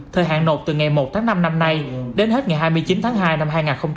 thời hạn nộp từ ngày một tháng năm năm nay đến hết ngày hai mươi chín tháng hai năm hai nghìn hai mươi